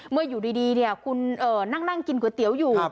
เมื่ออยู่ดีเนี่ยคุณนั่งกินก๋วยเตี๋ยวอยู่